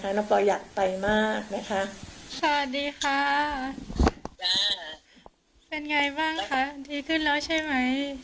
หวันนี้ขอโทษเลยไม่ได้ไปนะคะเพราะว่าพอถึงลูกของน้องปอนะ